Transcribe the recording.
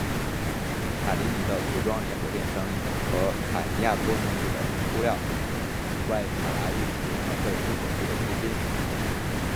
塔迪尼的服装连锁店生意和卡尼亚托兄弟的布料产业为法拉利提供了最初所需的资金。